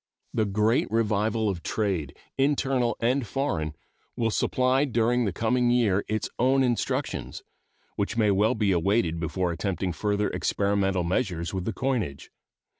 The great revival of trade, internal and foreign, will supply during the coming year its own instructions, which may well be awaited before attempting further experimental measures with the coinage.